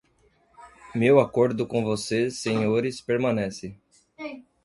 Meu acordo com vocês senhores permanece!